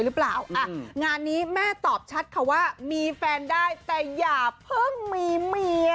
หรือเปล่าอ่ะงานนี้แม่ตอบชัดค่ะว่ามีแฟนได้แต่อย่าเพิ่งมีเมีย